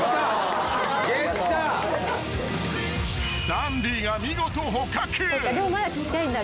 ［ダンディが見事捕獲］